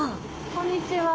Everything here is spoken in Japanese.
こんにちは。